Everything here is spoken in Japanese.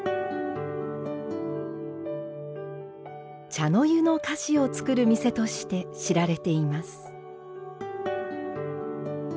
茶の湯の菓子を作る店として知られています。